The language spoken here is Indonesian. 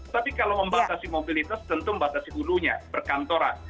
tapi kalau membatasi mobilitas tentu membatasi bulunya berkantoran